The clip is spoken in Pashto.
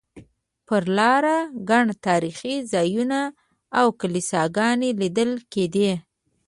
پر لاره ګڼ تاریخي ځایونه او کلیساګانې لیدل کېدې.